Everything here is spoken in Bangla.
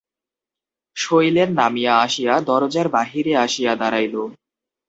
শৈলেন নামিয়া আসিয়া দরজার বাহিরে আসিয়া দাঁড়াইল।